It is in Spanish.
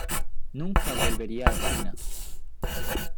Nunca volvería a China.